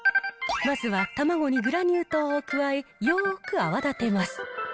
まずは卵にグラニュー糖を加えよーく泡立てます。